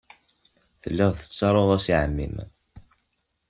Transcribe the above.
Tellid tettarud-as i ɛemmi-m.